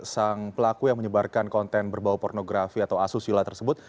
sang pelaku yang menyebarkan konten berbau pornografi atau asusila tersebut